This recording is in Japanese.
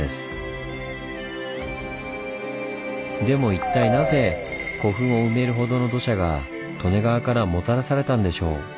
でも一体なぜ古墳を埋めるほどの土砂が利根川からもたらされたんでしょう？